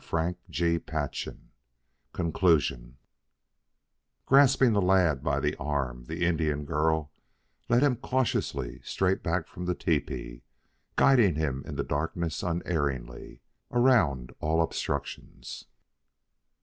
CHAPTER XXIV CONCLUSION Grasping the lad by the arm, the Indian girl led him cautiously straight back from the tepee, guiding him in the darkness unerringly, around all obstructions.